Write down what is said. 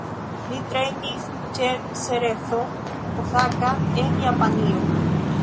Li trejnis ĉe Cerezo Osaka en Japanio.